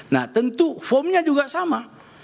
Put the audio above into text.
nah tentu formnya juga sama